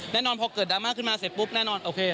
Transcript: แน่นอนพอเกิดดราม่าขึ้นมาเสร็จปุ๊บแน่นอนโอเค